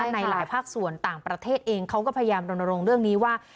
ในหลายภาคส่วนต่างประเทศเองเขาก็พยายามรณรงค์เรื่องนี้ว่า